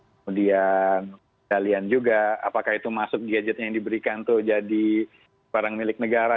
kemudian dalian juga apakah itu masuk gadgetnya yang diberikan itu jadi barang milik negara